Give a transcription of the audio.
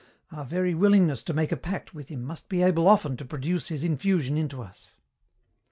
Our very willingness to make a pact with him must be able often to produce his infusion into us.